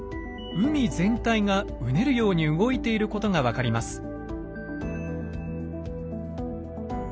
海全体がうねるように動いていることが分かります。